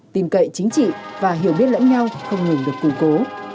tìm cậy chính trị và hiểu biết lẫn nhau không ngừng được củng cố